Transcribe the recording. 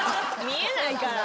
見えないから。